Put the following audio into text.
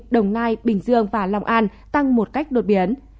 đồng nai bình dương và long an tăng một cách đột biến